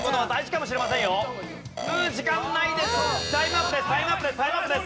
タイムアップです。